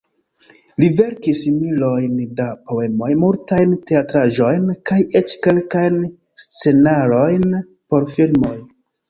Li verkis milojn da poemoj, multajn teatraĵojn, kaj eĉ kelkajn scenarojn por filmoj.